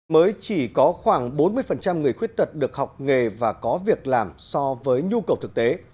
mới chỉ có khoảng bốn mươi người khuyết tật được học nghề và có việc làm so với nhu cầu thực tế